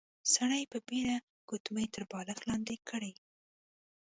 سړي په بيړه ګوتمۍ تر بالښت لاندې کړې.